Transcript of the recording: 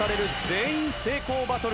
全員成功バトル。